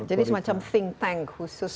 jadi semacam think tank khusus untuk ai